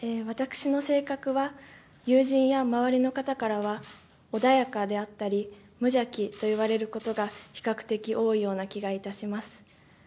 私の性格は、友人や周りの方からは、穏やかであったり、無邪気と言われることが比較的多いような気がいたします。